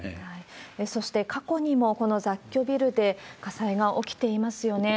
そして、過去にもこの雑居ビルで火災が起きていますよね。